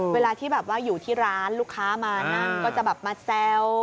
เวลาที่อยู่ที่ร้านลูกค้ามานั่งก็จะมาแซว